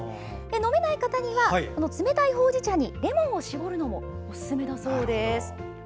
飲めない方には冷たいほうじ茶にレモンを搾るのがおすすめです。